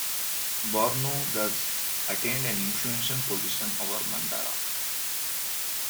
Bornu thus attained an influential position over Mandara.